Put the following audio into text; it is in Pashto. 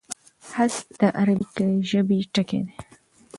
حذف د عربي ژبي ټکی دﺉ.